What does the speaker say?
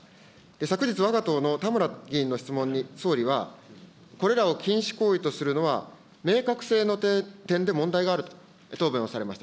昨日わが党のたむら議員の質問に総理は、これらを禁止行為とするのは、明確性の点で問題があると答弁をされました。